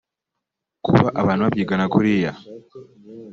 Kuba abantu babyigana kuriya